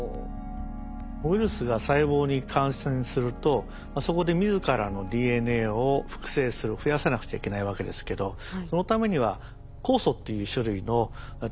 ウイルスが細胞に感染するとそこで自らのＤＮＡを複製する増やさなくちゃいけないわけですけどそのためには酵素っていう種類のタンパク質が必要なんですね。